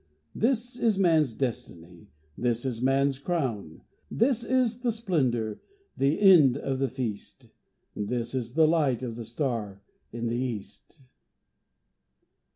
This is man's destiny, this is man's crown. This is the splendour, the end of the feast; This is the light of the Star in the East.